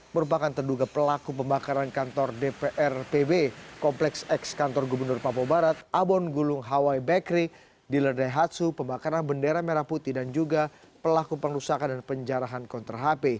merupakan terduga pelaku pembakaran kantor dprpb kompleks ex kantor gubernur papua barat abon gulung hawai bakery di ledai hatsu pembakaran bendera merah putih dan juga pelaku perusahaan dan penjarahan kontra hp